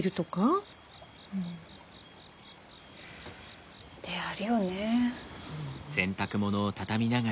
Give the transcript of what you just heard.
うんであるよね。